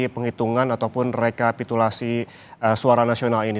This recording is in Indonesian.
penghitungan ataupun rekapitulasi suara nasional ini